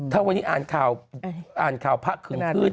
ถ้าวันนี้อ่านข่าวอ่านข่าวพระคืนพืช